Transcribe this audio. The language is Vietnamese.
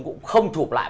cũng không chụp lại